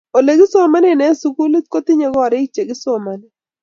ole kisomane eng sukulit kotinye korik che kisomane